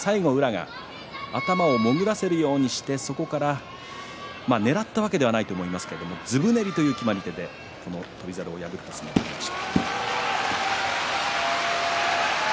先場所は頭を潜らせるようにしてそこから、ねらったわけではないんですがずぶねりという決まり手で翔猿を破っています。